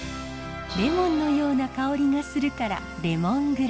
レモンのような香りがするからレモングラス。